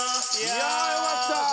いやあよかった。